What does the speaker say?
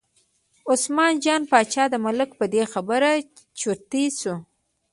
عثمان جان باچا د ملک په دې خبره چرتي شو.